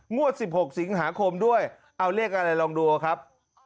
งวด๑๖สิงหาคมด้วยเอาเลขอะไรลองดูครับ